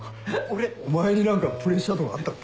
お前に何かプレッシャーとかあったっけ？